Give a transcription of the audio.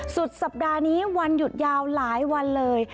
สุดสัปดาห์นี้วันหยุดยาวหลายวันเลย